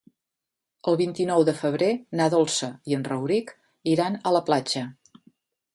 El vint-i-nou de febrer na Dolça i en Rauric iran a la platja.